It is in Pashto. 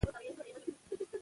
که چت وي نو باران نه څڅیږي.